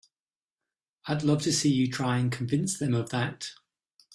I'd love to see you try and convince them of that!